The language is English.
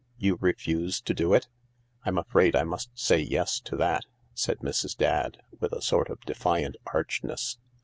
"You refuse to do it ?"" I'm afraid I must say yes to that," said Mrs. Dadd, with a sort of defiant archness.